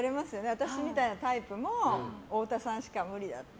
私みたいなタイプも太田さんしか無理だって。